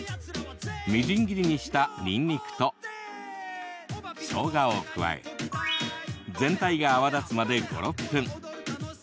みじん切りにしたにんにくとしょうがを加え全体が泡立つまで５、６分。